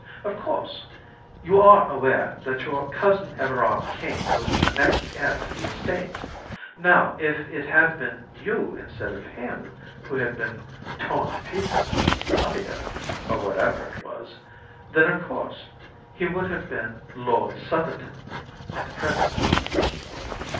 "Of course, you are aware that your cousin Everard King was the next heir to the estates. Now, if it had been you instead of him who had been torn to pieces by this tiger, or whatever it was, then of course he would have been Lord Southerton at the present moment."